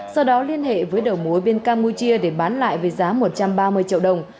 sau đó liên hệ với đầu mối bên campuchia để bán lại với giá một trăm ba mươi triệu đồng